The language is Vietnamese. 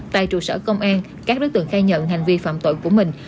tại trụ sở công an các đối tượng khai nhận hành vi phạm tội của mình